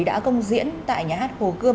đã công diễn tại nhà hát hồ cươm